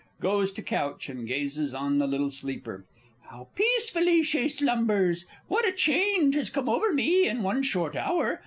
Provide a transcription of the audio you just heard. (Goes to couch, and gazes on the little sleeper.) How peacefully she slumbers! What a change has come over me in one short hour!